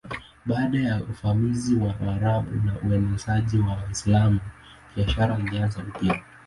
Baada ya uvamizi wa Waarabu na uenezaji wa Uislamu biashara ilianza upya.